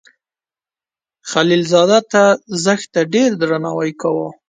خلیل زاده ته زښت ډیر درناوی کاو.